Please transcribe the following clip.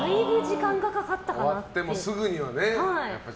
終わってもすぐにはね。